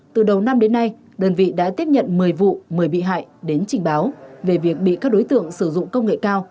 từ đầu năm đến nay đơn vị đã tiếp nhận một mươi vụ một mươi bị hại đến trình báo về việc bị các đối tượng sử dụng công nghệ cao